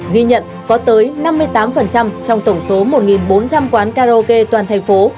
ghi nhận có tới năm mươi tám trong tổng số một bốn trăm linh quán karaoke toàn thành phố